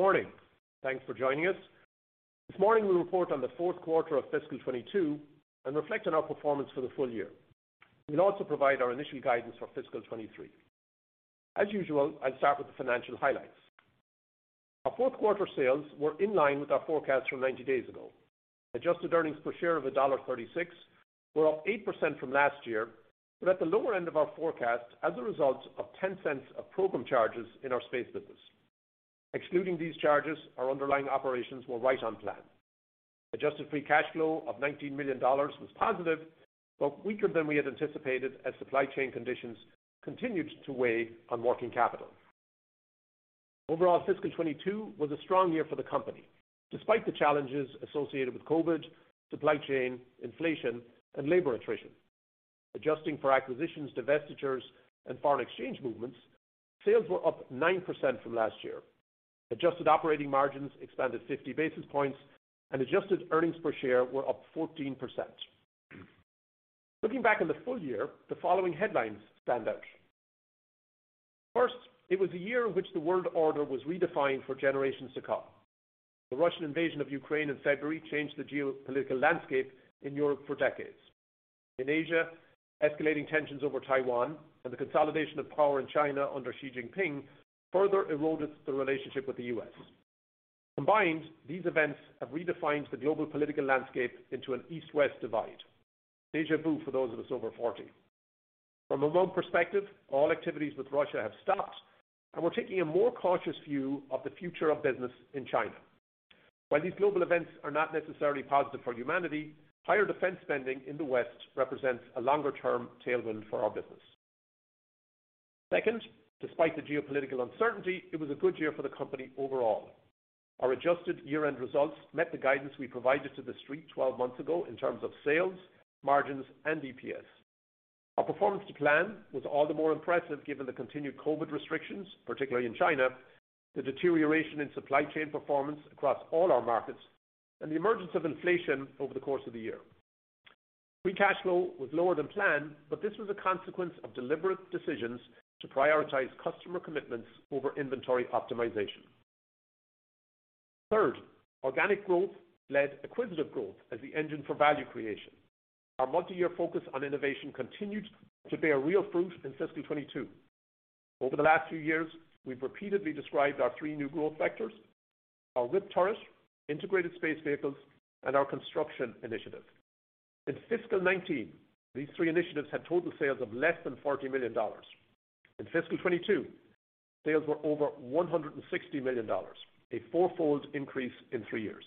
Good morning. Thanks for joining us. This morning, we'll report on the fourth quarter of fiscal 2022 and reflect on our performance for the full year. We'll also provide our initial guidance for fiscal 2023. As usual, I'll start with the financial highlights. Our fourth quarter sales were in line with our forecast from 90 days ago. Adjusted earnings per share of $1.36 were up 8% from last year, but at the lower end of our forecast as a result of $0.10 of program charges in our space business. Excluding these charges, our underlying operations were right on plan. Adjusted free cash flow of $19 million was positive, but weaker than we had anticipated as supply chain conditions continued to weigh on working capital. Overall, fiscal 2022 was a strong year for the company, despite the challenges associated with COVID, supply chain, inflation, and labor attrition. Adjusting for acquisitions, divestitures, and foreign exchange movements, sales were up 9% from last year. Adjusted operating margins expanded 50 basis points and adjusted earnings per share were up 14%. Looking back on the full year, the following headlines stand out. First, it was a year in which the world order was redefined for generations to come. The Russian invasion of Ukraine in February changed the geopolitical landscape in Europe for decades. In Asia, escalating tensions over Taiwan and the consolidation of power in China under Xi Jinping further eroded the relationship with the U.S. Combined, these events have redefined the global political landscape into an East-West divide. Déjà vu for those of us over 40. From a Moog perspective, all activities with Russia have stopped, and we're taking a more cautious view of the future of business in China. While these global events are not necessarily positive for humanity, higher defense spending in the West represents a longer-term tailwind for our business. Second, despite the geopolitical uncertainty, it was a good year for the company overall. Our adjusted year-end results met the guidance we provided to the street 12 months ago in terms of sales, margins, and EPS. Our performance to plan was all the more impressive given the continued COVID restrictions, particularly in China, the deterioration in supply chain performance across all our markets, and the emergence of inflation over the course of the year. Free cash flow was lower than planned, but this was a consequence of deliberate decisions to prioritize customer commitments over inventory optimization. Third, organic growth led acquisitive growth as the engine for value creation. Our multi-year focus on innovation continued to bear real fruit in fiscal 2022. Over the last two years, we've repeatedly described our three new growth vectors, our RIwP turret, integrated space vehicles, and our construction initiative. In fiscal 2019, these three initiatives had total sales of less than $40 million. In fiscal 2022, sales were over $160 million, a four-fold increase in three years.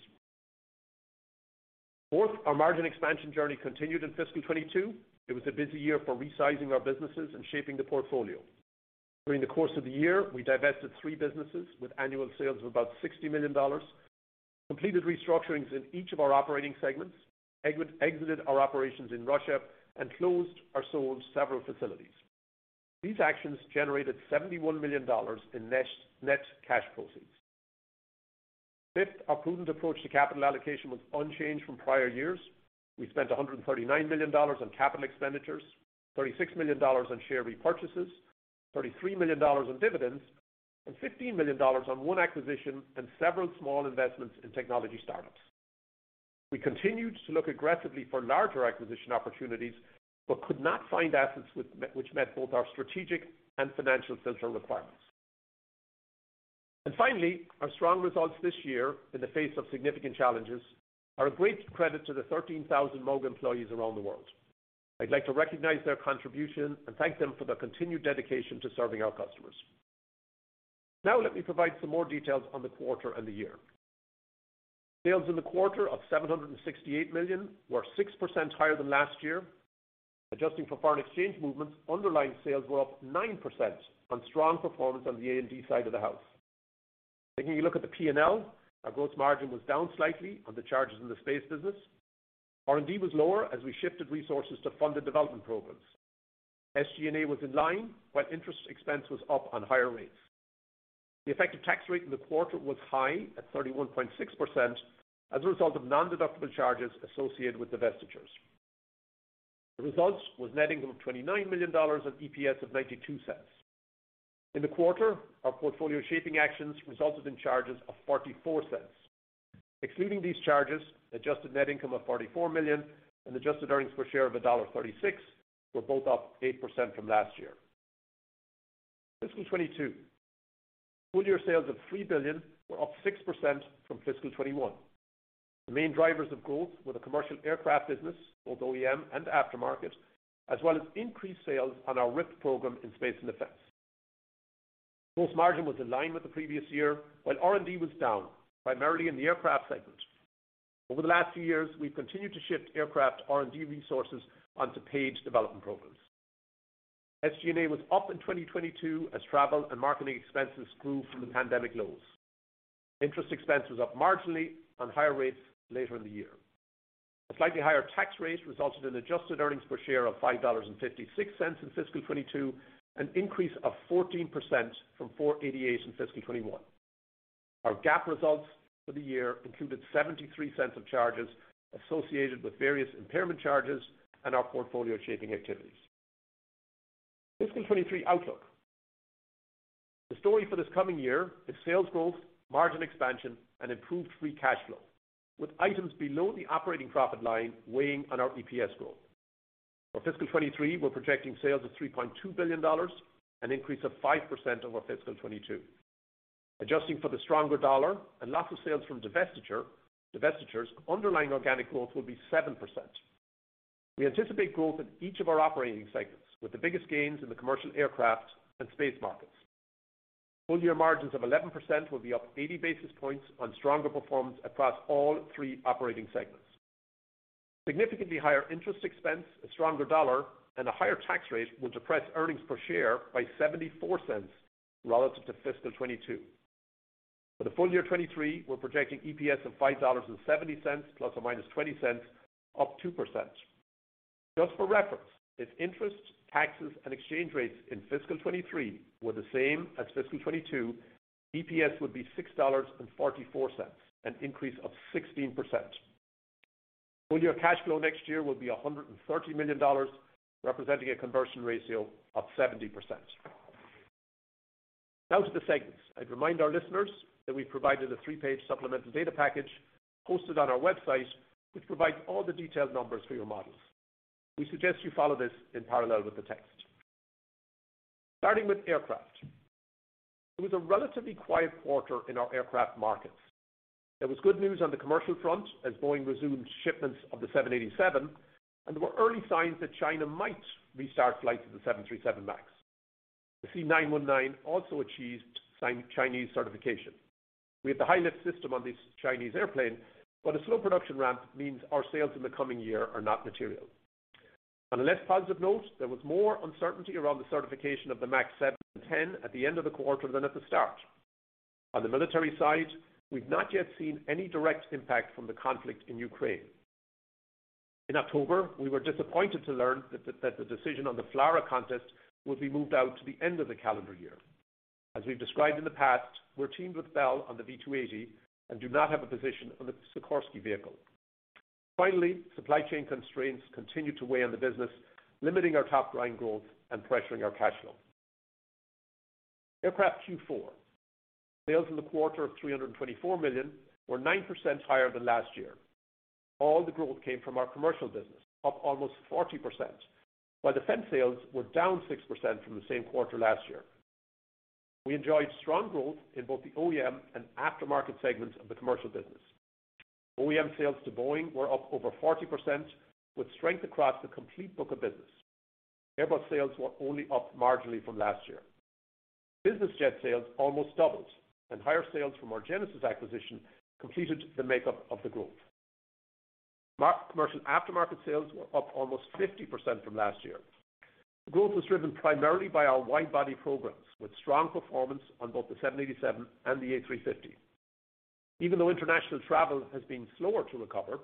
Fourth, our margin expansion journey continued in fiscal 2022. It was a busy year for resizing our businesses and shaping the portfolio. During the course of the year, we divested three businesses with annual sales of about $60 million, completed restructurings in each of our operating segments, exited our operations in Russia, and closed or sold several facilities. These actions generated $71 million in net cash proceeds. Fifth, our prudent approach to capital allocation was unchanged from prior years. We spent $139 million on capital expenditures, $36 million on share repurchases, $33 million on dividends, and $15 million on one acquisition and several small investments in technology startups. We continued to look aggressively for larger acquisition opportunities, but could not find assets which met both our strategic and financial filter requirements. Finally, our strong results this year, in the face of significant challenges, are a great credit to the 13,000 Moog employees around the world. I'd like to recognize their contribution and thank them for their continued dedication to serving our customers. Now let me provide some more details on the quarter and the year. Sales in the quarter of $768 million were 6% higher than last year. Adjusting for foreign exchange movements, underlying sales were up 9% on strong performance on the A&D side of the house. Taking a look at the P&L, our gross margin was down slightly on the charges in the space business. R&D was lower as we shifted resources to funded development programs. SG&A was in line while interest expense was up on higher rates. The effective tax rate in the quarter was high at 31.6% as a result of nondeductible charges associated with divestitures. The results was net income of $29 million on EPS of $0.92. In the quarter, our portfolio shaping actions resulted in charges of $0.44. Excluding these charges, adjusted net income of $44 million and adjusted earnings per share of $1.36 were both up 8% from last year. Fiscal 2022. Full-year sales of $3 billion were up 6% from fiscal 2021. The main drivers of growth were the commercial aircraft business, both OEM and aftermarket, as well as increased sales on our RIwP program in space and defense. Gross margin was in line with the previous year, while R&D was down, primarily in the aircraft segment. Over the last few years, we've continued to shift aircraft R&D resources onto paid development programs. SG&A was up in 2022 as travel and marketing expenses grew from the pandemic lows. Interest expense was up marginally on higher rates later in the year. A slightly higher tax rate resulted in adjusted earnings per share of $5.56 in fiscal 2022, an increase of 14% from $4.88 in fiscal 2021. Our GAAP results for the year included $0.73 of charges associated with various impairment charges and our portfolio-shaping activities. Fiscal 2023 outlook. The story for this coming year is sales growth, margin expansion, and improved free cash flow, with items below the operating profit line weighing on our EPS growth. For fiscal 2023, we're projecting sales of $3.2 billion, an increase of 5% over fiscal 2022. Adjusting for the stronger dollar and loss of sales from divestitures, underlying organic growth will be 7%. We anticipate growth in each of our operating segments, with the biggest gains in the commercial aircraft and space markets. Full year margins of 11% will be up 80 basis points on stronger performance across all three operating segments. Significantly higher interest expense, a stronger dollar, and a higher tax rate will depress earnings per share by $0.74 relative to fiscal 2022. For the full year 2023, we're projecting EPS of $5.70 ±$0.20, up 2%. Just for reference, if interest, taxes, and exchange rates in fiscal 2023 were the same as fiscal 2022, EPS would be $6.44, an increase of 16%. Full year cash flow next year will be $130 million, representing a conversion ratio of 70%. Now to the segments. I'd remind our listeners that we provided a three-page supplemental data package posted on our website, which provides all the detailed numbers for your models. We suggest you follow this in parallel with the text. Starting with aircraft. It was a relatively quiet quarter in our aircraft markets. There was good news on the commercial front as Boeing resumed shipments of the 787, and there were early signs that China might restart flights of the 737 MAX. The C919 also achieved Chinese certification. We have the high lift system on this Chinese airplane, but a slow production ramp means our sales in the coming year are not material. On a less positive note, there was more uncertainty around the certification of the 737 MAX 10 at the end of the quarter than at the start. On the military side, we've not yet seen any direct impact from the conflict in Ukraine. In October, we were disappointed to learn that the decision on the FLRAA contest would be moved out to the end of the calendar year. As we've described in the past, we're teamed with Bell on the V-280 and do not have a position on the Sikorsky vehicle. Finally, supply chain constraints continue to weigh on the business, limiting our top line growth and pressuring our cash flow. Aircraft Q4. Sales in the quarter of $324 million were 9% higher than last year. All the growth came from our commercial business, up almost 40%, while defense sales were down 6% from the same quarter last year. We enjoyed strong growth in both the OEM and aftermarket segments of the commercial business. OEM sales to Boeing were up over 40%, with strength across the complete book of business. Airbus sales were only up marginally from last year. Business Jet sales almost doubled, and higher sales from our Genesys acquisition completed the makeup of the growth. Commercial aftermarket sales were up almost 50% from last year. Growth was driven primarily by our wide-body programs, with strong performance on both the 787 and the A350. Even though international travel has been slower to recover,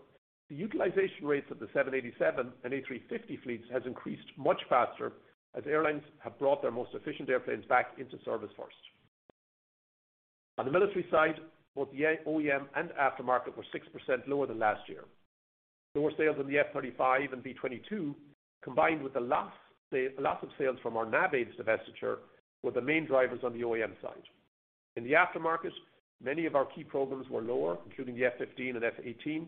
the utilization rates of the 787 and A350 fleets has increased much faster as airlines have brought their most efficient airplanes back into service first. On the military side, both the OEM and aftermarket were 6% lower than last year. Lower sales on the F-35 and V-22, combined with the loss of sales from our Navaids divestiture were the main drivers on the OEM side. In the aftermarket, many of our key programs were lower, including the F-15 and F-18.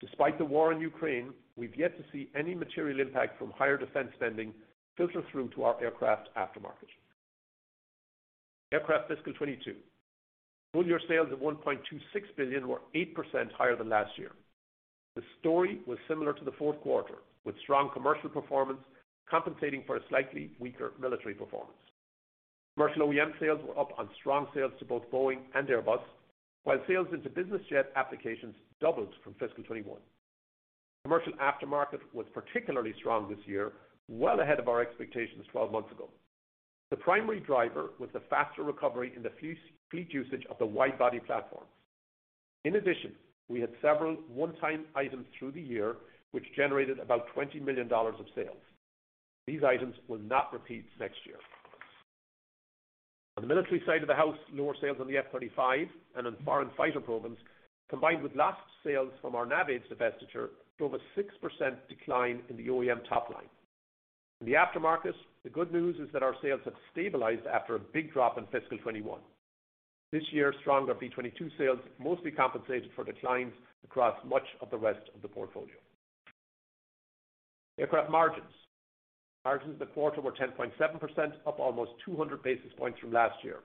Despite the war in Ukraine, we've yet to see any material impact from higher defense spending filter through to our aircraft aftermarket. Aircraft fiscal 2022. Full year sales of $1.26 billion were 8% higher than last year. The story was similar to the fourth quarter, with strong commercial performance compensating for a slightly weaker military performance. Commercial OEM sales were up on strong sales to both Boeing and Airbus, while sales into business jet applications doubled from fiscal 2021. Commercial aftermarket was particularly strong this year, well ahead of our expectations 12 months ago. The primary driver was the faster recovery in the fleet usage of the wide-body platforms. In addition, we had several one-time items through the year which generated about $20 million of sales. These items will not repeat next year. On the military side of the house, lower sales on the F-35 and on foreign fighter programs, combined with lost sales from our Navaids divestiture, drove a 6% decline in the OEM top line. In the aftermarket, the good news is that our sales have stabilized after a big drop in fiscal 2021. This year, stronger V-22 sales mostly compensated for declines across much of the rest of the portfolio. Aircraft margins. Margins in the quarter were 10.7%, up almost 200 basis points from last year.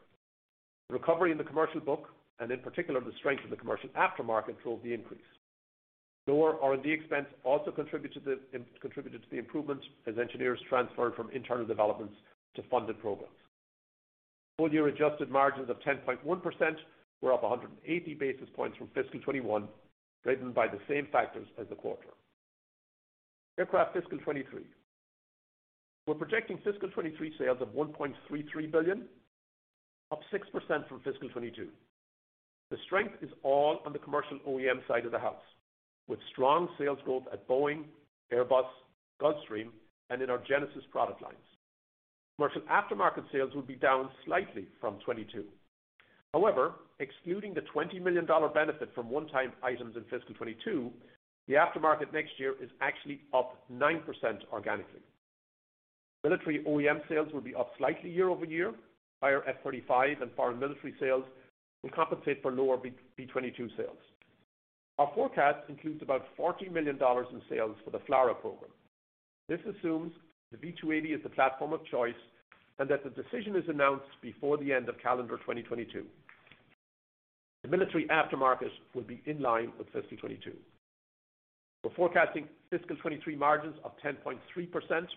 Recovery in the commercial book, and in particular the strength in the commercial aftermarket, drove the increase. Lower R&D expense also contributed to the improvement as engineers transferred from internal developments to funded programs. Full-year adjusted margins of 10.1% were up 180 basis points from fiscal 2021, driven by the same factors as the quarter. Aircraft fiscal 2023. We're projecting fiscal 2023 sales of $1.33 billion, up 6% from fiscal 2022. The strength is all on the commercial OEM side of the house, with strong sales growth at Boeing, Airbus, Gulfstream, and in our Genesys product lines. Commercial aftermarket sales will be down slightly from 2022. However, excluding the $20 million benefit from one-time items in fiscal 2022, the aftermarket next year is actually up 9% organically. Military OEM sales will be up slightly year-over-year. Higher F-35 and foreign military sales will compensate for lower V-22 sales. Our forecast includes about $40 million in sales for the FLRAA program. This assumes the V-280 is the platform of choice and that the decision is announced before the end of calendar 2022. The military aftermarket will be in line with fiscal 2022. We're forecasting fiscal 2023 margins of 10.3%, up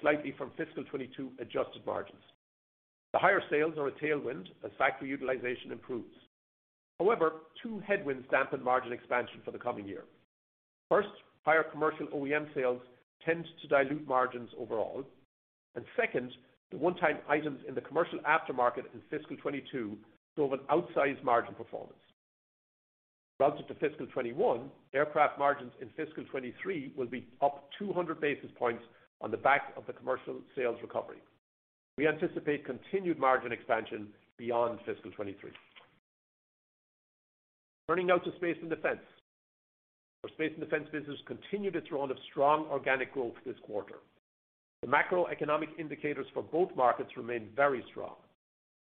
slightly from fiscal 2022 adjusted margins. The higher sales are a tailwind as factory utilization improves. However, two headwinds dampen margin expansion for the coming year. First, higher commercial OEM sales tend to dilute margins overall. Second, the one-time items in the commercial aftermarket in fiscal 2022 drove an outsized margin performance. Relative to fiscal 2021, aircraft margins in fiscal 2023 will be up 200 basis points on the back of the commercial sales recovery. We anticipate continued margin expansion beyond fiscal 2023. Turning now to space and defense. Our space and defense business continued its run of strong organic growth this quarter. The macroeconomic indicators for both markets remain very strong.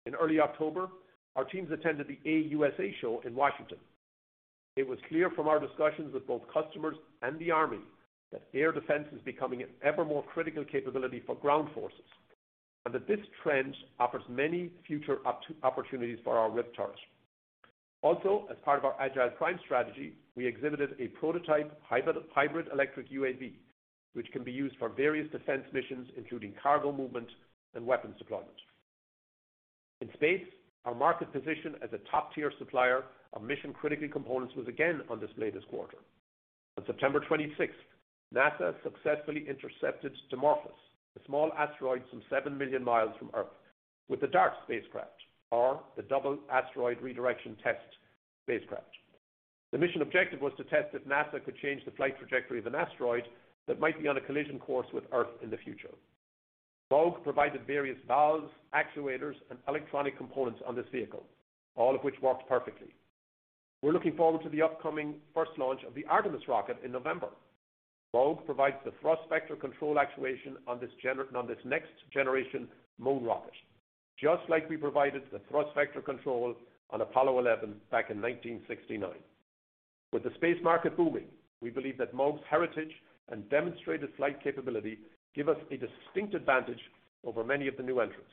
In early October, our teams attended the AUSA show in Washington. It was clear from our discussions with both customers and the army that air defense is becoming an ever more critical capability for ground forces, and that this trend offers many future opportunities for our RIwP turret. Also, as part of our Agility Prime strategy, we exhibited a prototype hybrid electric UAV, which can be used for various defense missions, including cargo movement and weapon deployment. In space, our market position as a top-tier supplier of mission-critical components was again on display this quarter. On September 26th, NASA successfully intercepted Dimorphos, a small asteroid some 7,000,000 mi from Earth, with the DART spacecraft, or the Double Asteroid Redirection Test spacecraft. The mission objective was to test if NASA could change the flight trajectory of an asteroid that might be on a collision course with Earth in the future. Moog provided various valves, actuators, and electronic components on this vehicle, all of which worked perfectly. We're looking forward to the upcoming first launch of the Artemis rocket in November. Moog provides the thrust vector control actuation on this next-generation moon rocket, just like we provided the thrust vector control on Apollo 11 back in 1969. With the space market booming, we believe that Moog's heritage and demonstrated flight capability give us a distinct advantage over many of the new entrants.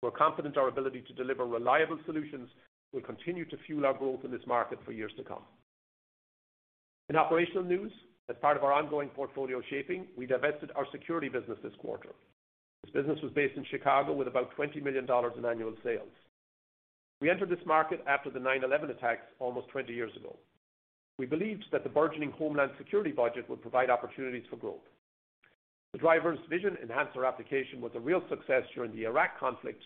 We're confident our ability to deliver reliable solutions will continue to fuel our growth in this market for years to come. In operational news, as part of our ongoing portfolio shaping, we divested our security business this quarter. This business was based in Chicago with about $20 million in annual sales. We entered this market after the 9/11 attacks almost 20 years ago. We believed that the burgeoning homeland security budget would provide opportunities for growth. The Driver's Vision Enhancer application was a real success during the Iraq conflict,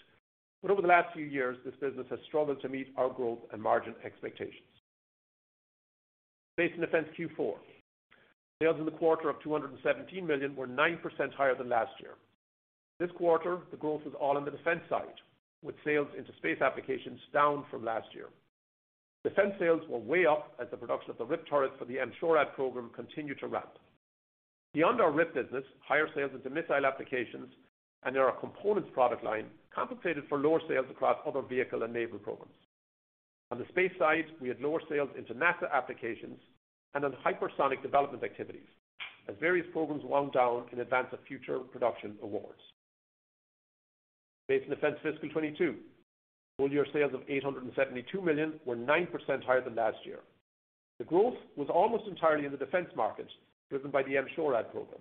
but over the last few years, this business has struggled to meet our growth and margin expectations. Space and defense Q4. Sales in the quarter of $217 million were 9% higher than last year. This quarter, the growth was all on the defense side, with sales into space applications down from last year. Defense sales were way up as the production of the RIwP turret for the M-SHORAD program continued to ramp. Beyond our RIwP business, higher sales into missile applications and in our components product line compensated for lower sales across other vehicle and naval programs. On the space side, we had lower sales into NASA applications and on hypersonic development activities as various programs wound down in advance of future production awards. Space and defense fiscal 2022. Full year sales of $872 million were 9% higher than last year. The growth was almost entirely in the defense market, driven by the M-SHORAD program.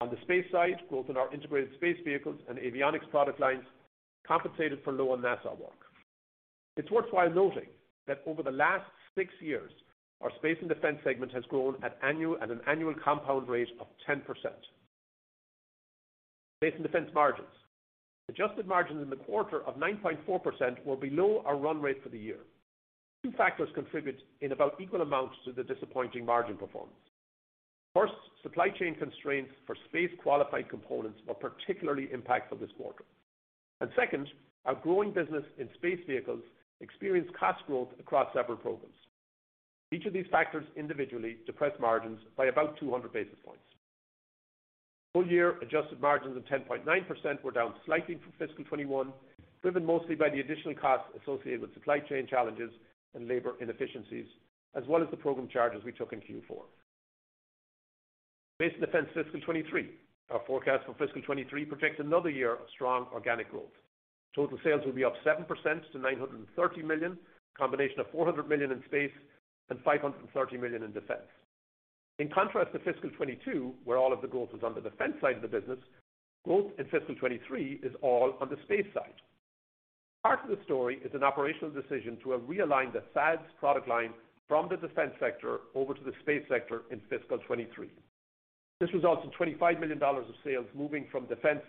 On the space side, growth in our integrated space vehicles and avionics product lines compensated for lower NASA work. It's worthwhile noting that over the last six years, our space and defense segment has grown at at an annual compound rate of 10%. Space and defense margins. Adjusted margins in the quarter of 9.4% were below our run rate for the year. Two factors contributed in about equal amounts to the disappointing margin performance. First, supply chain constraints for space-qualified components were particularly impactful this quarter. Second, our growing business in space vehicles experienced cost growth across several programs. Each of these factors individually depressed margins by about 200 basis points. Full year adjusted margins of 10.9% were down slightly from fiscal 2021, driven mostly by the additional costs associated with supply chain challenges and labor inefficiencies, as well as the program charges we took in Q4. Space and defense fiscal 2023. Our forecast for fiscal 2023 predicts another year of strong organic growth. Total sales will be up 7% to $930 million, a combination of $400 million in space and $530 million in defense. In contrast to fiscal 2022, where all of the growth was on the defense side of the business, growth in fiscal 2023 is all on the space side. Part of the story is an operational decision to have realigned the SADA product line from the defense sector over to the space sector in fiscal 2023. This results in $25 million of sales moving from defense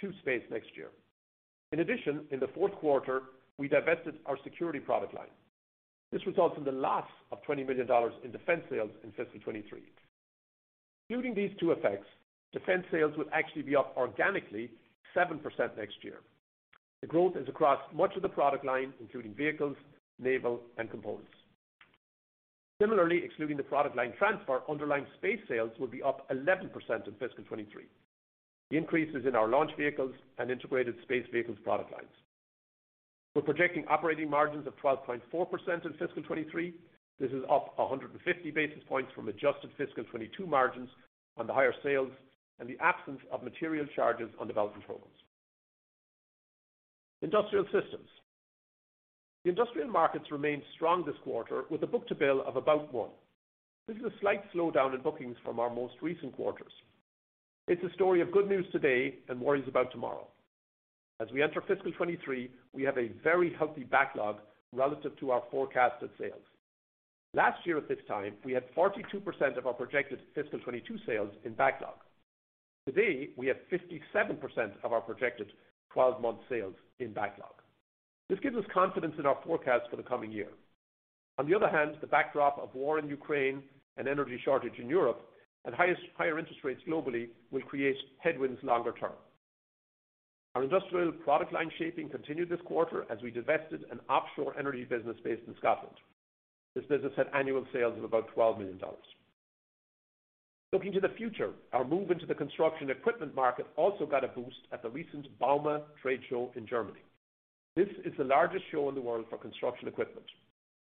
to space next year. In addition, in the fourth quarter, we divested our security product line. This results in the loss of $20 million in defense sales in fiscal 2023. Including these two effects, defense sales would actually be up organically 7% next year. The growth is across much of the product line, including vehicles, naval, and components. Similarly, excluding the product line transfer, underlying space sales will be up 11% in fiscal 2023. The increase is in our launch vehicles and integrated space vehicles product lines. We're projecting operating margins of 12.4% in fiscal 2023. This is up 150 basis points from adjusted fiscal 2022 margins on the higher sales and the absence of material charges on development programs. Industrial systems. The industrial markets remained strong this quarter with a book-to-bill of about one. This is a slight slowdown in bookings from our most recent quarters. It's a story of good news today and worries about tomorrow. As we enter fiscal 2023, we have a very healthy backlog relative to our forecasted sales. Last year at this time, we had 42% of our projected fiscal 2022 sales in backlog. Today, we have 57% of our projected 12-month sales in backlog. This gives us confidence in our forecast for the coming year. On the other hand, the backdrop of war in Ukraine and energy shortage in Europe and higher interest rates globally will create headwinds longer term. Our industrial product line shaping continued this quarter as we divested an offshore energy business based in Scotland. This business had annual sales of about $12 million. Looking to the future, our move into the construction equipment market also got a boost at the recent bauma trade show in Germany. This is the largest show in the world for construction equipment.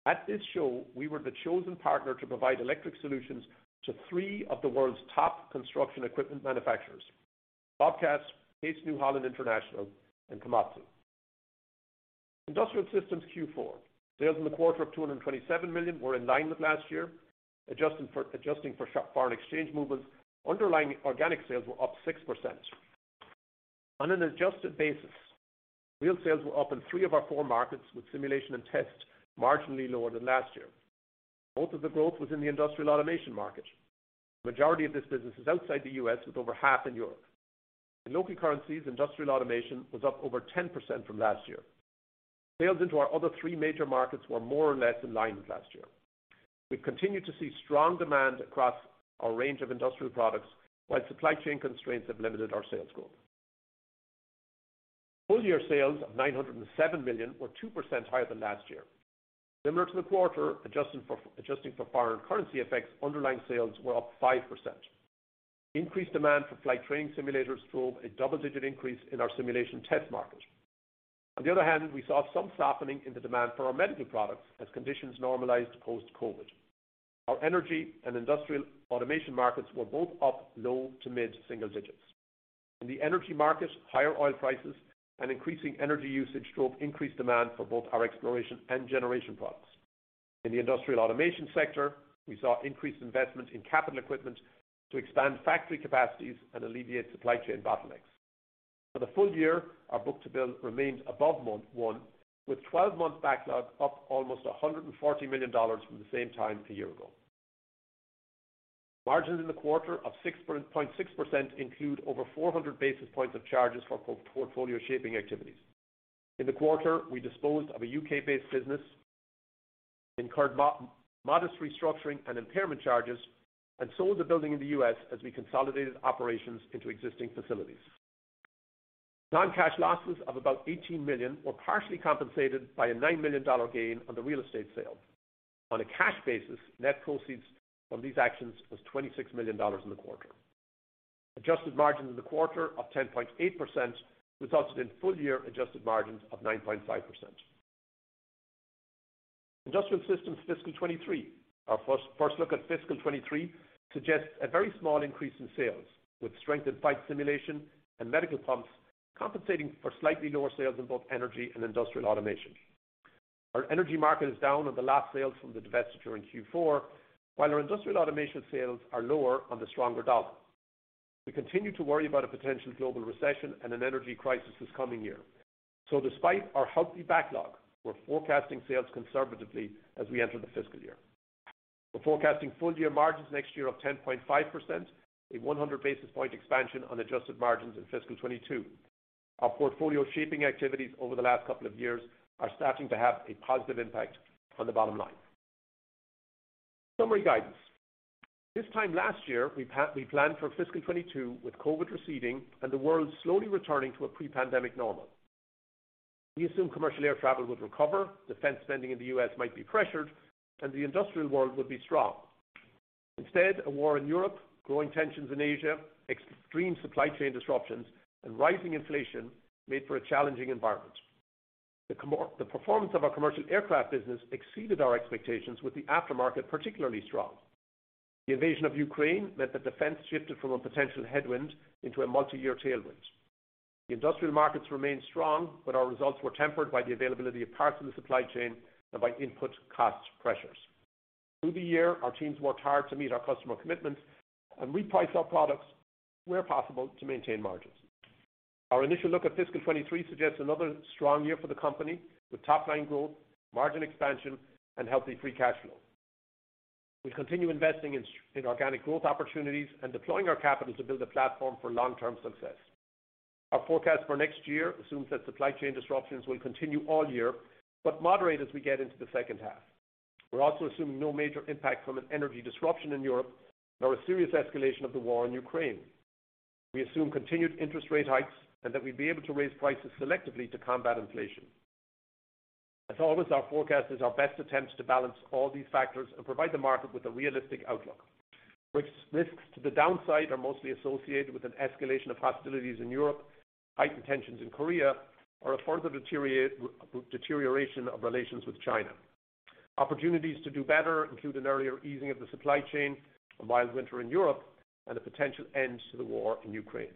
At this show, we were the chosen partner to provide electric solutions to three of the world's top construction equipment manufacturers, Bobcat, CNH Industrial, and Komatsu. Industrial systems Q4. Sales in the quarter of $227 million were in line with last year. Adjusting for foreign exchange movements, underlying organic sales were up 6%. On an adjusted basis, real sales were up in three of our four markets, with simulation and test marginally lower than last year. Most of the growth was in the industrial automation market. Majority of this business is outside the U.S., with over half in Europe. In local currencies, industrial automation was up over 10% from last year. Sales into our other three major markets were more or less in line with last year. We continue to see strong demand across our range of industrial products, while supply chain constraints have limited our sales growth. Full year sales of $907 million were 2% higher than last year. Similar to the quarter, adjusting for foreign currency effects, underlying sales were up 5%. Increased demand for flight training simulators drove a double-digit increase in our simulation test market. On the other hand, we saw some softening in the demand for our medical products as conditions normalized post-COVID. Our energy and industrial automation markets were both up low- to mid-single digits. In the energy market, higher oil prices and increasing energy usage drove increased demand for both our exploration and generation products. In the industrial automation sector, we saw increased investment in capital equipment to expand factory capacities and alleviate supply chain bottlenecks. For the full year, our book-to-bill remained above one, with 12-month backlog up almost $140 million from the same time a year ago. Margins in the quarter of 6.6% include over 400 basis points of charges for portfolio shaping activities. In the quarter, we disposed of a U.K.-based business, incurred modest restructuring and impairment charges, and sold the building in the U.S. as we consolidated operations into existing facilities. Non-cash losses of about $18 million were partially compensated by a $9 million gain on the real estate sale. On a cash basis, net proceeds from these actions was $26 million in the quarter. Adjusted margins in the quarter of 10.8% resulted in full year adjusted margins of 9.5%. Industrial Systems fiscal 2023. Our first look at fiscal 2023 suggests a very small increase in sales, with strength in flight simulation and medical pumps compensating for slightly lower sales in both energy and industrial automation. Our energy market is down on the last sales from the divestiture in Q4, while our industrial automation sales are lower on the stronger dollar. We continue to worry about a potential global recession and an energy crisis this coming year. Despite our healthy backlog, we're forecasting sales conservatively as we enter the fiscal year. We're forecasting full year margins next year of 10.5%, a 100 basis point expansion on adjusted margins in fiscal 2022. Our portfolio shaping activities over the last couple of years are starting to have a positive impact on the bottom line. Summary guidance. This time last year, we planned for fiscal 2022 with COVID receding and the world slowly returning to a pre-pandemic normal. We assumed commercial air travel would recover, defense spending in the U.S. might be pressured, and the industrial world would be strong. Instead, a war in Europe, growing tensions in Asia, extreme supply chain disruptions, and rising inflation made for a challenging environment. The performance of our commercial aircraft business exceeded our expectations with the aftermarket, particularly strong. The invasion of Ukraine meant that defense shifted from a potential headwind into a multi-year tailwind. The industrial markets remained strong, but our results were tempered by the availability of parts of the supply chain and by input cost pressures. Through the year, our teams worked hard to meet our customer commitments and reprice our products where possible to maintain margins. Our initial look at fiscal 2023 suggests another strong year for the company with top line growth, margin expansion, and healthy free cash flow. We continue investing in organic growth opportunities and deploying our capital to build a platform for long-term success. Our forecast for next year assumes that supply chain disruptions will continue all year, but moderate as we get into the second half. We're also assuming no major impact from an energy disruption in Europe, nor a serious escalation of the war in Ukraine. We assume continued interest rate hikes and that we'd be able to raise prices selectively to combat inflation. As always, our forecast is our best attempt to balance all these factors and provide the market with a realistic outlook. Risks to the downside are mostly associated with an escalation of hostilities in Europe, heightened tensions in Korea, or a further deterioration of relations with China. Opportunities to do better include an earlier easing of the supply chain, a mild winter in Europe, and a potential end to the war in Ukraine.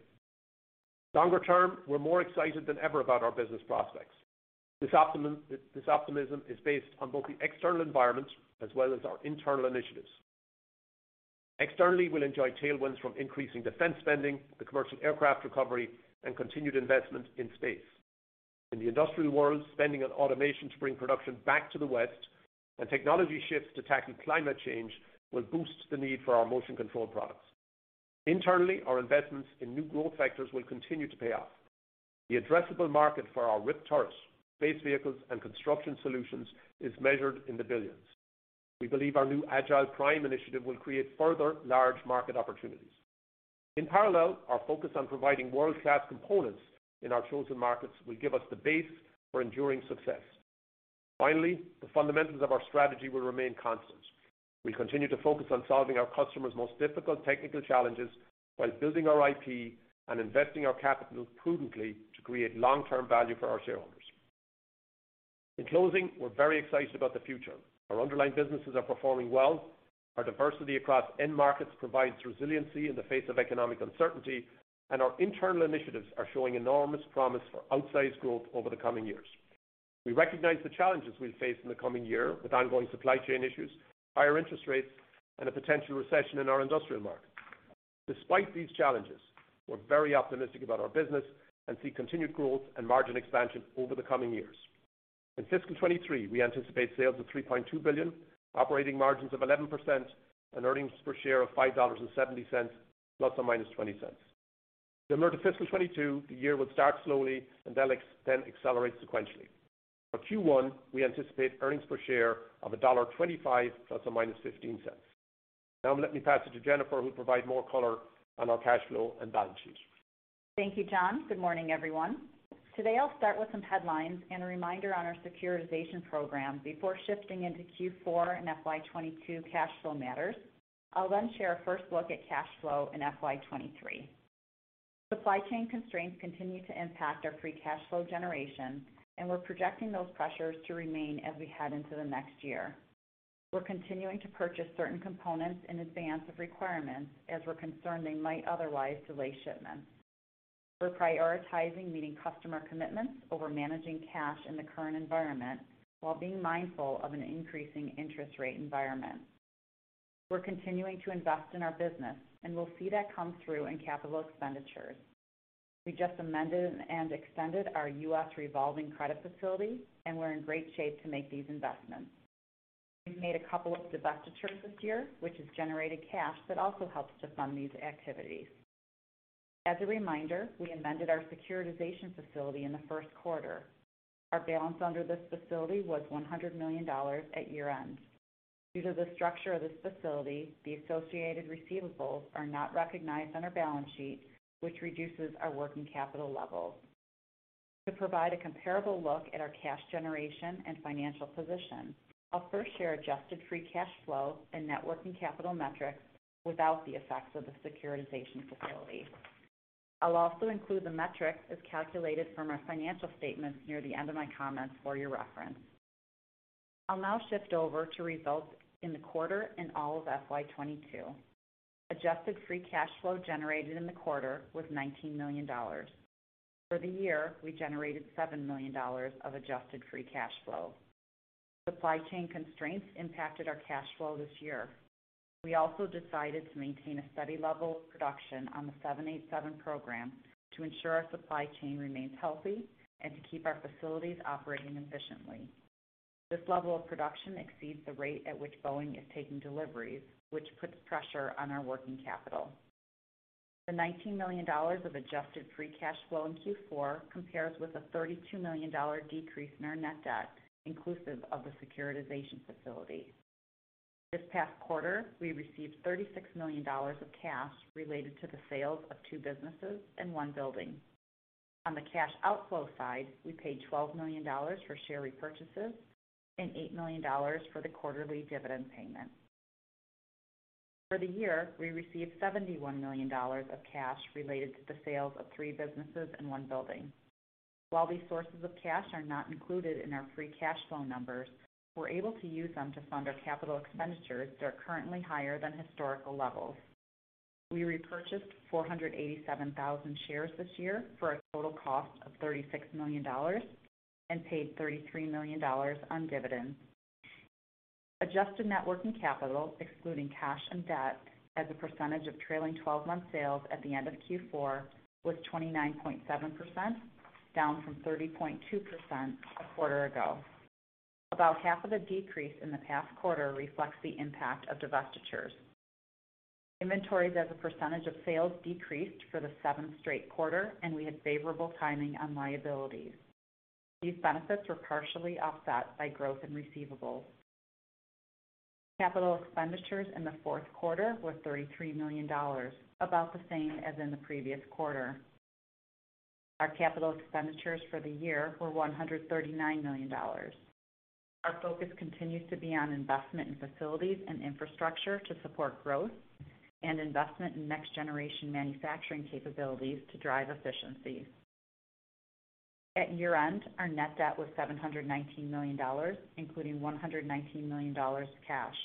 Longer term, we're more excited than ever about our business prospects. This optimism is based on both the external environment as well as our internal initiatives. Externally, we'll enjoy tailwinds from increasing defense spending, the commercial aircraft recovery, and continued investment in space. In the industrial world, spending on automation to bring production back to the West and technology shifts to tackle climate change will boost the need for our motion control products. Internally, our investments in new growth sectors will continue to pay off. The addressable market for our RIwP turrets, space vehicles, and construction solutions is measured in the billions. We believe our new Agility Prime initiative will create further large market opportunities. In parallel, our focus on providing world-class components in our chosen markets will give us the base for enduring success. Finally, the fundamentals of our strategy will remain constant. We continue to focus on solving our customers' most difficult technical challenges while building our IP and investing our capital prudently to create long-term value for our shareholders. In closing, we're very excited about the future. Our underlying businesses are performing well. Our diversity across end markets provides resiliency in the face of economic uncertainty, and our internal initiatives are showing enormous promise for outsized growth over the coming years. We recognize the challenges we face in the coming year with ongoing supply chain issues, higher interest rates, and a potential recession in our industrial markets. Despite these challenges, we're very optimistic about our business and see continued growth and margin expansion over the coming years. In fiscal 2023, we anticipate sales of $3.2 billion, operating margins of 11%, and earnings per share of $5.70 ±$0.20. Similar to fiscal 2022, the year will start slowly and then accelerate sequentially. For Q1, we anticipate earnings per share of $1.25 ±$0.15. Now let me pass it to Jennifer, who'll provide more color on our cash flow and balance sheet. Thank you, John. Good morning, everyone. Today, I'll start with some headlines and a reminder on our securitization program before shifting into Q4 and FY 2022 cash flow matters. I'll then share a first look at cash flow in FY 2023. Supply chain constraints continue to impact our free cash flow generation, and we're projecting those pressures to remain as we head into the next year. We're continuing to purchase certain components in advance of requirements as we're concerned they might otherwise delay shipments. We're prioritizing meeting customer commitments over managing cash in the current environment while being mindful of an increasing interest rate environment. We're continuing to invest in our business, and we'll see that come through in capital expenditures. We just amended and extended our U.S. revolving credit facility, and we're in great shape to make these investments. We've made a couple of divestitures this year, which has generated cash that also helps to fund these activities. As a reminder, we amended our securitization facility in the first quarter. Our balance under this facility was $100 million at year-end. Due to the structure of this facility, the associated receivables are not recognized on our balance sheet, which reduces our working capital levels. To provide a comparable look at our cash generation and financial position, I'll first share adjusted free cash flow and net working capital metrics without the effects of the securitization facility. I'll also include the metrics as calculated from our financial statements near the end of my comments for your reference. I'll now shift over to results in the quarter and all of FY 2022. Adjusted free cash flow generated in the quarter was $19 million. For the year, we generated $7 million of adjusted free cash flow. Supply chain constraints impacted our cash flow this year. We also decided to maintain a steady level of production on the 787 program to ensure our supply chain remains healthy and to keep our facilities operating efficiently. This level of production exceeds the rate at which Boeing is taking deliveries, which puts pressure on our working capital. The $19 million of adjusted free cash flow in Q4 compares with a $32 million decrease in our net debt, inclusive of the securitization facility. This past quarter, we received $36 million of cash related to the sales of two businesses and one building. On the cash outflow side, we paid $12 million for share repurchases and $8 million for the quarterly dividend payment. For the year, we received $71 million of cash related to the sales of three businesses and one building. While these sources of cash are not included in our free cash flow numbers, we're able to use them to fund our capital expenditures that are currently higher than historical levels. We repurchased 487,000 shares this year for a total cost of $36 million and paid $33 million on dividends. Adjusted net working capital, excluding cash and debt, as a percentage of trailing 12-month sales at the end of Q4 was 29.7%, down from 30.2% a quarter ago. About half of the decrease in the past quarter reflects the impact of divestitures. Inventories as a percentage of sales decreased for the seventh straight quarter, and we had favorable timing on liabilities. These benefits were partially offset by growth in receivables. Capital expenditures in the fourth quarter were $33 million, about the same as in the previous quarter. Our capital expenditures for the year were $139 million. Our focus continues to be on investment in facilities and infrastructure to support growth and investment in next-generation manufacturing capabilities to drive efficiencies. At year-end, our net debt was $719 million, including $119 million cash.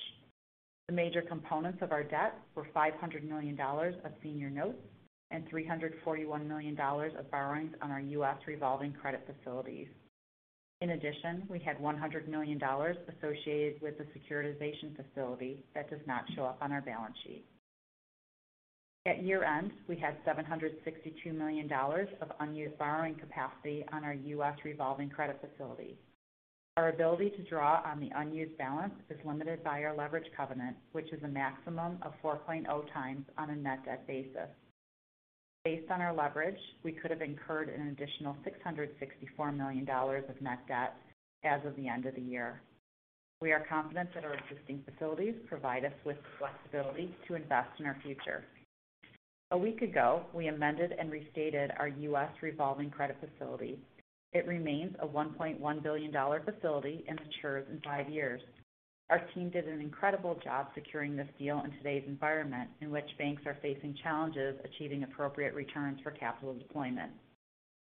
The major components of our debt were $500 million of senior notes and $341 million of borrowings on our U.S. revolving credit facilities. In addition, we had $100 million associated with the securitization facility that does not show up on our balance sheet. At year-end, we had $762 million of unused borrowing capacity on our U.S. revolving credit facility. Our ability to draw on the unused balance is limited by our leverage covenant, which is a maximum of 4x on a net debt basis. Based on our leverage, we could have incurred an additional $664 million of net debt as of the end of the year. We are confident that our existing facilities provide us with flexibility to invest in our future. A week ago, we amended and restated our U.S. revolving credit facility. It remains a $1.1 billion facility and matures in five years. Our team did an incredible job securing this deal in today's environment, in which banks are facing challenges achieving appropriate returns for capital deployment.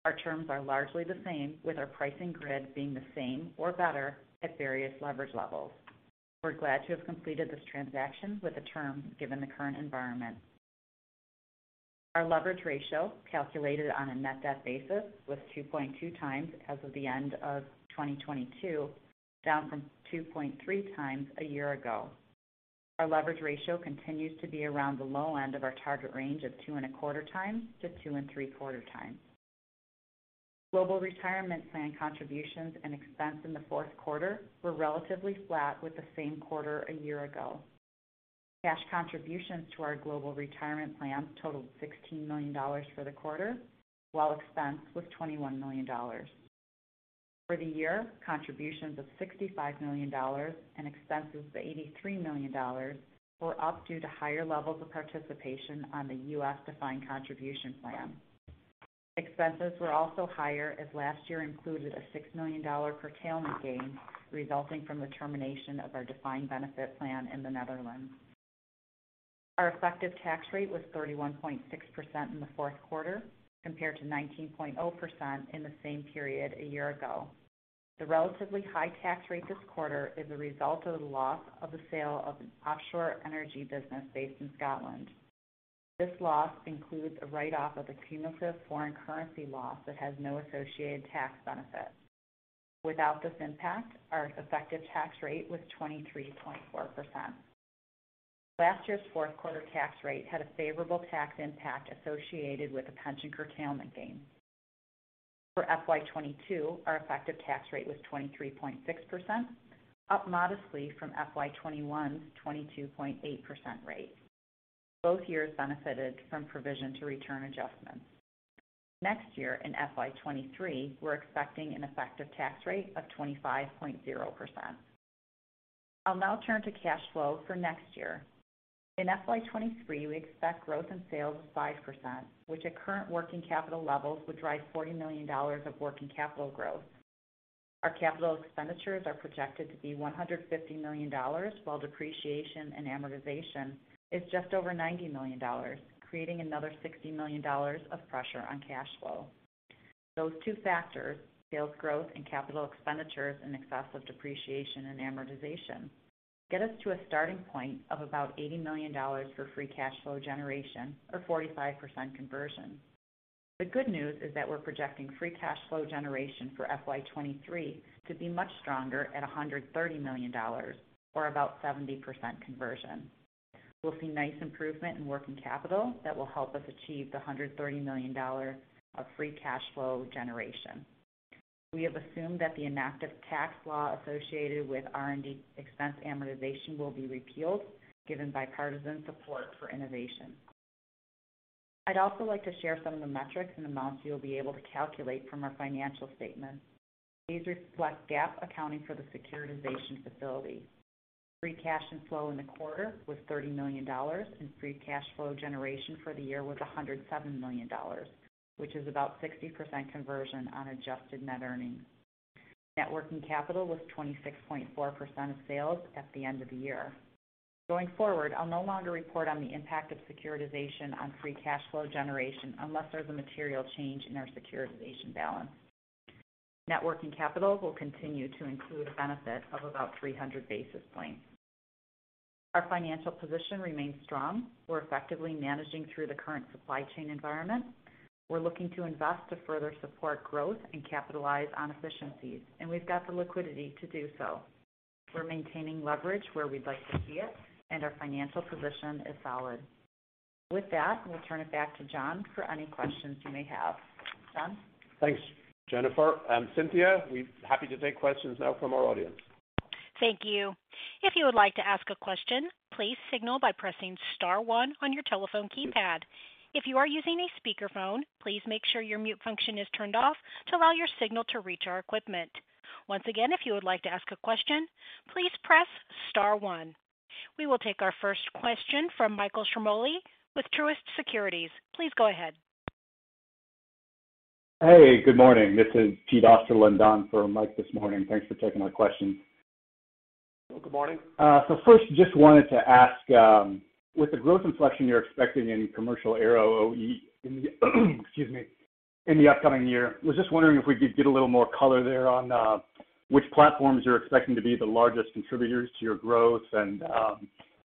Our terms are largely the same, with our pricing grid being the same or better at various leverage levels. We're glad to have completed this transaction with the terms given the current environment. Our leverage ratio, calculated on a net debt basis, was 2.2x as of the end of 2022, down from 2.3x a year ago. Our leverage ratio continues to be around the low end of our target range of 2.25x-2.75x. Global retirement plan contributions and expense in the fourth quarter were relatively flat with the same quarter a year ago. Cash contributions to our global retirement plans totaled $16 million for the quarter, while expense was $21 million. For the year, contributions of $65 million and expenses of $83 million were up due to higher levels of participation on the U.S. defined contribution plan. Expenses were also higher as last year included a $6 million curtailment gain resulting from the termination of our defined benefit plan in the Netherlands. Our effective tax rate was 31.6% in the fourth quarter compared to 19.0% in the same period a year ago. The relatively high tax rate this quarter is a result of the loss of the sale of an offshore energy business based in Scotland. This loss includes a write-off of a cumulative foreign currency loss that has no associated tax benefit. Without this impact, our effective tax rate was 23.4%. Last year's fourth quarter tax rate had a favorable tax impact associated with the pension curtailment gain. For FY 2022, our effective tax rate was 23.6%, up modestly from FY 2021 22.8% rate. Both years benefited from provision to return adjustments. Next year, in FY 2023, we're expecting an effective tax rate of 25.0%. I'll now turn to cash flow for next year. In FY 2023, we expect growth in sales of 5%, which at current working capital levels would drive $40 million of working capital growth. Our capital expenditures are projected to be $150 million, while depreciation and amortization is just over $90 million, creating another $60 million of pressure on cash flow. Those two factors, sales growth and capital expenditures in excess of depreciation and amortization, get us to a starting point of about $80 million for free cash flow generation or 45% conversion. The good news is that we're projecting free cash flow generation for FY 2023 to be much stronger at $130 million or about 70% conversion. We'll see nice improvement in working capital that will help us achieve the $130 million of free cash flow generation. We have assumed that the inactive tax law associated with R&D expense amortization will be repealed, given bipartisan support for innovation. I'd also like to share some of the metrics and amounts you'll be able to calculate from our financial statements. These reflect GAAP accounting for the securitization facility. Free cash flow in the quarter was $30 million, and free cash flow generation for the year was $107 million, which is about 60% conversion on adjusted net earnings. Net working capital was 26.4% of sales at the end of the year. Going forward, I'll no longer report on the impact of securitization on free cash flow generation unless there's a material change in our securitization balance. Net working capital will continue to include a benefit of about 300 basis points. Our financial position remains strong. We're effectively managing through the current supply chain environment. We're looking to invest to further support growth and capitalize on efficiencies, and we've got the liquidity to do so. We're maintaining leverage where we'd like to see it, and our financial position is solid. With that, we'll turn it back to John for any questions you may have. John? Thanks, Jennifer. Cynthia, we're happy to take questions now from our audience. Thank you. If you would like to ask a question, please signal by pressing star one on your telephone keypad. If you are using a speakerphone, please make sure your mute function is turned off to allow your signal to reach our equipment. Once again, if you would like to ask a question, please press star one. We will take our first question from Michael Ciarmoli with Truist Securities. Please go ahead. Hey, good morning. This is Pete Osterland on for Mike this morning. Thanks for taking my question. Good morning. First just wanted to ask, with the growth inflection you're expecting in commercial aero OE in the upcoming year, was just wondering if we could get a little more color there on which platforms you're expecting to be the largest contributors to your growth and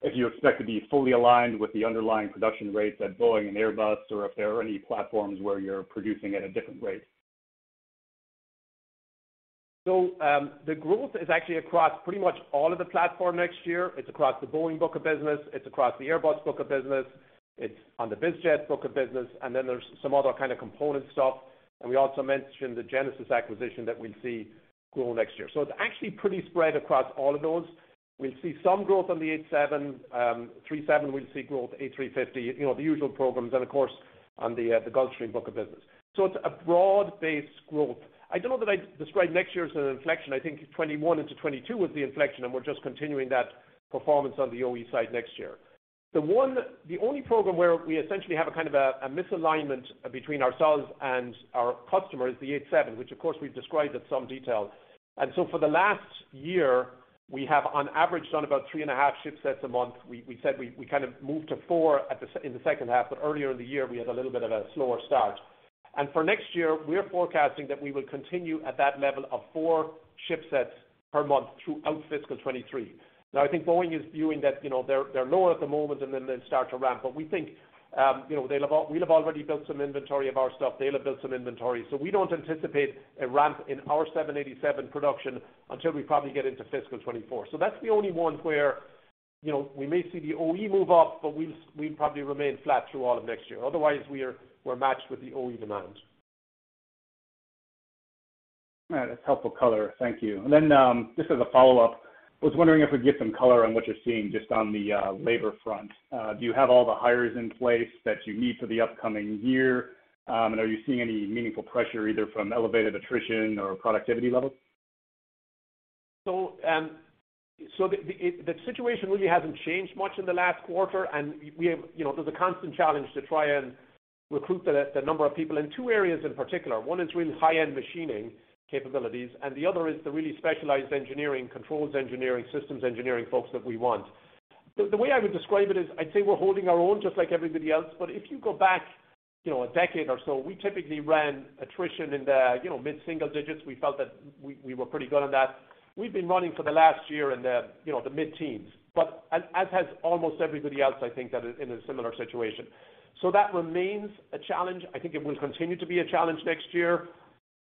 if you expect to be fully aligned with the underlying production rates at Boeing and Airbus, or if there are any platforms where you're producing at a different rate. The growth is actually across pretty much all of the platform next year. It's across the Boeing book of business, it's across the Airbus book of business, it's on the BizJet book of business, and then there's some other kind of component stuff. We also mentioned the Genesys acquisition that we'll see grow next year. It's actually pretty spread across all of those. We'll see some growth on the eight seven, three seven, we'll see growth, A350, you know, the usual programs and of course, on the Gulfstream book of business. It's a broad-based growth. I don't know that I'd describe next year as an inflection. I think 2021 into 2022 was the inflection, and we're just continuing that performance on the OE side next year. The only program where we essentially have a kind of misalignment between ourselves and our customer is the 787, which of course we've described in some detail. For the last year, we have on average done about 3.5 ship sets a month. We said we kind of moved to four in the second half, but earlier in the year we had a little bit of a slower start. For next year, we're forecasting that we will continue at that level of four ship sets per month throughout fiscal 2023. Now, I think Boeing is viewing that, you know, they're lower at the moment and then they'll start to ramp. We think, you know, we have already built some inventory of our stuff. They'll have built some inventory. We don't anticipate a ramp in our 787 production until we probably get into fiscal 2024. That's the only one where, you know, we may see the OE move up, but we'll probably remain flat through all of next year. Otherwise, we're matched with the OE demand. All right. That's helpful color. Thank you. Just as a follow-up, I was wondering if we could get some color on what you're seeing just on the labor front. Do you have all the hires in place that you need for the upcoming year? Are you seeing any meaningful pressure either from elevated attrition or productivity levels? The situation really hasn't changed much in the last quarter. You know, there's a constant challenge to try and recruit the number of people in two areas in particular. One is really high-end machining capabilities, and the other is the really specialized engineering, controls engineering, systems engineering folks that we want. The way I would describe it is I'd say we're holding our own just like everybody else. If you go back, you know, a decade or so, we typically ran attrition in the mid-single digits. We felt that we were pretty good on that. We've been running for the last year in the mid-teens, but as has almost everybody else, I think that is in a similar situation. That remains a challenge. I think it will continue to be a challenge next year.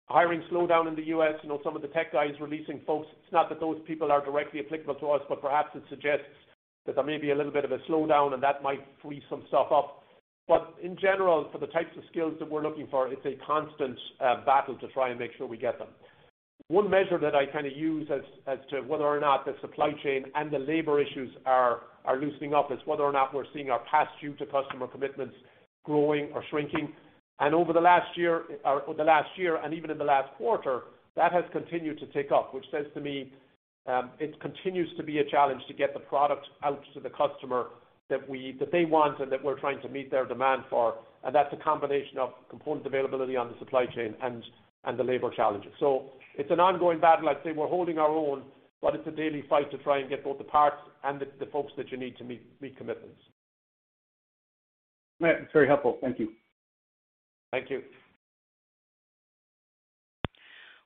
Hiring slowdown in the U.S., you know, some of the tech guys releasing folks. It's not that those people are directly applicable to us, but perhaps it suggests that there may be a little bit of a slowdown and that might free some stuff up. In general, for the types of skills that we're looking for, it's a constant battle to try and make sure we get them. One measure that I kind of use as to whether or not the supply chain and the labor issues are loosening up is whether or not we're seeing our past due to customer commitments growing or shrinking. Over the last year and even in the last quarter, that has continued to tick up, which says to me, it continues to be a challenge to get the product out to the customer that they want and that we're trying to meet their demand for. That's a combination of component availability on the supply chain and the labor challenges. It's an ongoing battle. I'd say we're holding our own, but it's a daily fight to try and get both the parts and the folks that you need to meet commitments. Yeah. It's very helpful. Thank you. Thank you.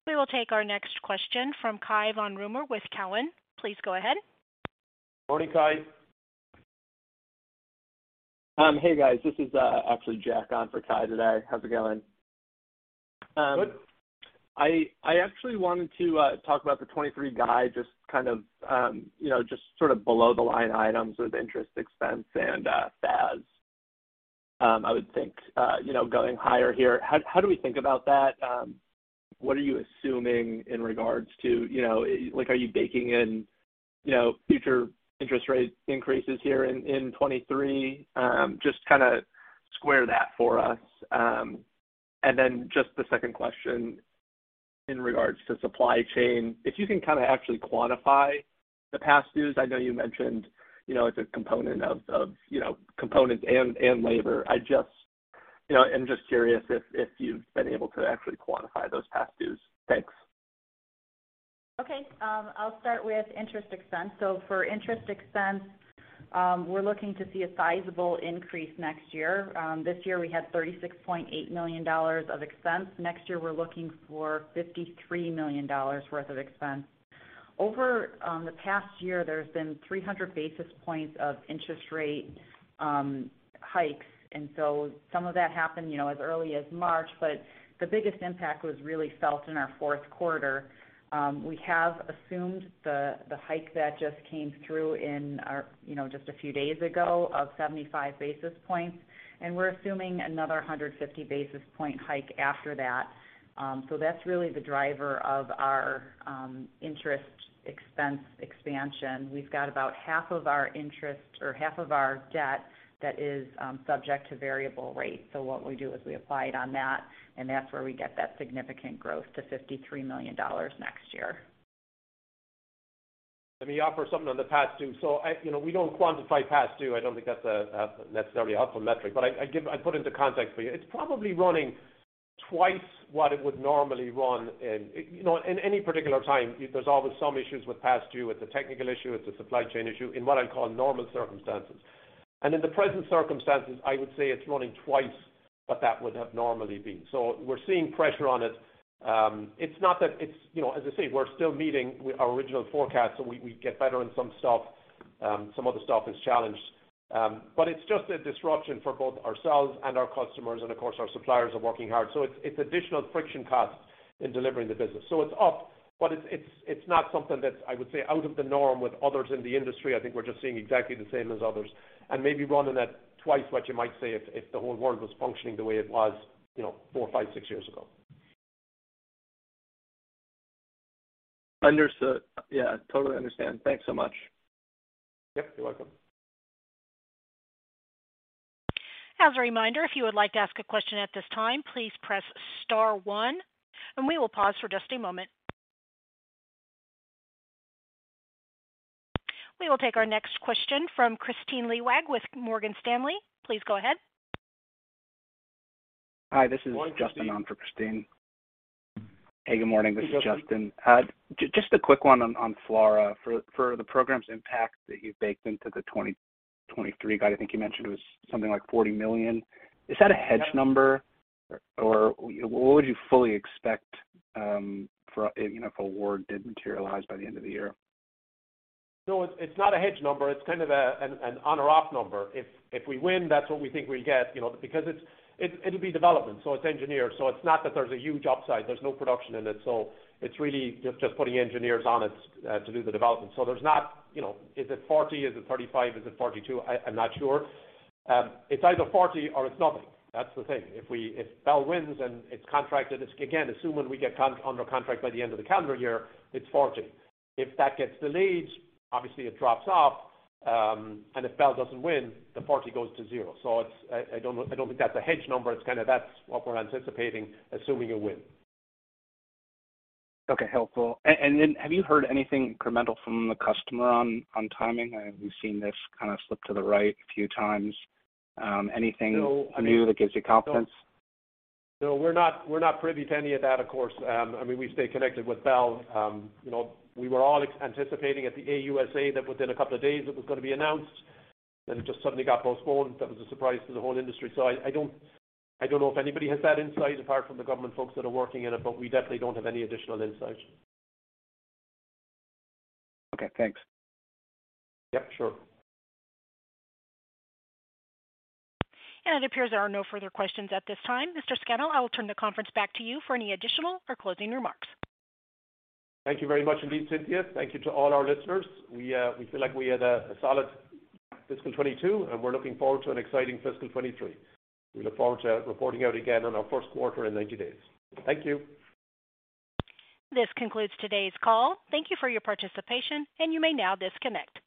We will take our next question from Cai von Rumohr with Cowen. Please go ahead. Morning, Cai. Hey, guys. This is actually Jack on for Cai today. How's it going? Good. I actually wanted to talk about the 2023 guide, just kind of, you know, just sort of below the line items with interest expense and FX. I would think, you know, going higher here. How do we think about that? What are you assuming in regards to, you know, like, are you baking in, you know, future interest rate increases here in 2023? Just kinda square that for us. Then just the second question in regards to supply chain, if you can kinda actually quantify the past dues. I know you mentioned, you know, it's a component of, you know, components and labor. I just, you know, I'm just curious if you've been able to actually quantify those past dues. Thanks. Okay. I'll start with interest expense. For interest expense, we're looking to see a sizable increase next year. This year we had $36.8 million of expense. Next year, we're looking for $53 million worth of expense. Over the past year, there's been 300 basis points of interest rate hikes, and some of that happened, you know, as early as March, but the biggest impact was really felt in our fourth quarter. We have assumed the hike that just came through, you know, just a few days ago of 75 basis points, and we're assuming another 150 basis point hike after that. That's really the driver of our interest expense expansion. We've got about half of our interest or half of our debt that is subject to variable rates. What we do is we apply it on that, and that's where we get that significant growth to $53 million next year. Let me offer something on the past due. You know, we don't quantify past due. I don't think that's a necessarily helpful metric, but I put into context for you. It's probably running twice what it would normally run in any particular time. You know, there's always some issues with past due. It's a technical issue. It's a supply chain issue in what I call normal circumstances. In the present circumstances, I would say it's running twice what that would have normally been. We're seeing pressure on it. It's not that it's you know, as I say, we're still meeting our original forecast, so we get better in some stuff. Some other stuff is challenged. But it's just a disruption for both ourselves and our customers, and of course, our suppliers are working hard. It's additional friction costs in delivering the business. It's up, but it's not something that I would say out of the norm with others in the industry. I think we're just seeing exactly the same as others. Maybe running at twice what you might see if the whole world was functioning the way it was, you know, four, five, six years ago. Understood. Yeah, totally understand. Thanks so much. Yep, you're welcome. As a reminder, if you would like to ask a question at this time, please press star one, and we will pause for just a moment. We will take our next question from Kristine Liwag with Morgan Stanley. Please go ahead. Hi, this is Justin on for Kristine. Hey, good morning. This is Justin. Just a quick one on FLRAA. For the program's impact that you've baked into the 2023 guide, I think you mentioned it was something like $40 million. Is that a hedge number? Or what would you fully expect, you know, if award did materialize by the end of the year? No, it's not a hedge number. It's kind of an on or off number. If we win, that's what we think we get, you know, because it'll be development, so it's engineered. It's not that there's a huge upside. There's no production in it. It's really just putting engineers on it to do the development. There's not, you know, is it 40? Is it 35? Is it 42? I'm not sure. It's either 40 or it's nothing. That's the thing. If Bell wins and it's contracted, it's again, assuming we get under contract by the end of the calendar year, it's 40. If that gets delayed, obviously it drops off, and if Bell doesn't win, the 40 goes to zero. I don't think that's a hedge number. It's kinda that's what we're anticipating, assuming a win. Okay, helpful. Have you heard anything incremental from the customer on timing? We've seen this kinda slip to the right a few times. Anything new that gives you confidence? No, we're not privy to any of that, of course. I mean, we stay connected with Bell. You know, we were all anticipating at the AUSA that within a couple of days it was gonna be announced, then it just suddenly got postponed. That was a surprise to the whole industry. I don't know if anybody has that insight apart from the government folks that are working in it, but we definitely don't have any additional insight. Okay, thanks. Yep, sure. It appears there are no further questions at this time. Mr. Scannell, I will turn the conference back to you for any additional or closing remarks. Thank you very much indeed, Cynthia. Thank you to all our listeners. We feel like we had a solid fiscal 2022, and we're looking forward to an exciting fiscal 2023. We look forward to reporting out again on our first quarter in 90 days. Thank you. This concludes today's call. Thank you for your participation, and you may now disconnect.